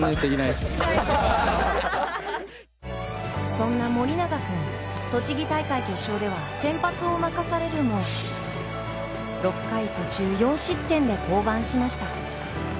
そんな盛永君、栃木大会決勝では先発を任されるも、６回途中４失点で降板しました。